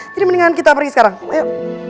jadi mendingan kita pergi sekarang ayo